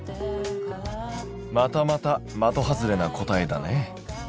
またまた的外れな答えだね。